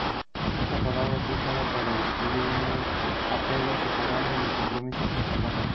Fueron los primeros representantes en Eurovisión de la Alemania unificada.